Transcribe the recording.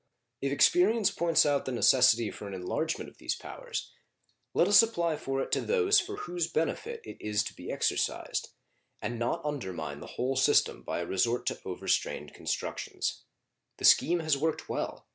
If experience points out the necessity for an enlargement of these powers, let us apply for it to those for whose benefit it is to be exercised, and not under mine the whole system by a resort to over strained constructions. The scheme has worked well.